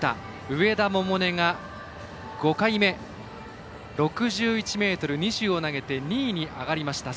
上田百寧が５回目６１ｍ２０を投げて２位に上がりました。